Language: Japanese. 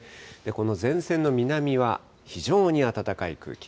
この前線の南は非常に暖かい空気。